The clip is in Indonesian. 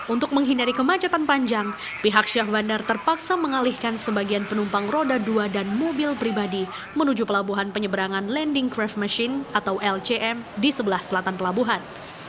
untuk menghindari kemacetan panjang pihak syah bandar terpaksa mengalihkan sebagian penumpang roda dua dan mobil pribadi menuju pelabuhan penyeberangan landing craft machine atau lcm di sebelah selatan pelabuhan